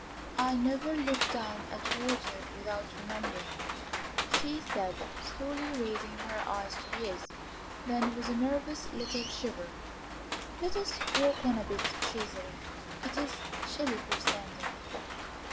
"I never look down at water without remembering," she said, slowly raising her eyes to his; then with a nervous little shiver: "Let us walk on a bit, Cesare; it is chilly for standing."